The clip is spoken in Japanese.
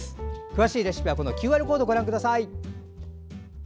詳しいレシピはＱＲコードをご覧ください。